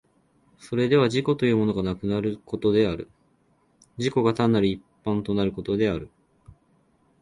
それでは自己というものがなくなることである、自己が単なる一般となることである。